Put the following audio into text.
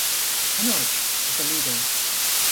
Manoj is the leader.